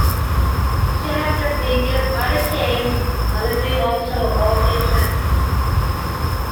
She has since been used by the King on a few official occasions.